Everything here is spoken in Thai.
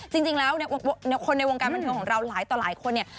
จริงแล้วเนี่ยคนในวงการบันเทิงของเราหลายต่อหลายคนเนี่ย